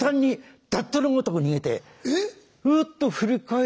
えっ